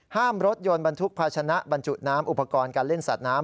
รถยนต์บรรทุกภาชนะบรรจุน้ำอุปกรณ์การเล่นสัตว์น้ำ